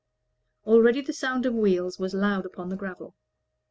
Already the sound of wheels was loud upon the gravel.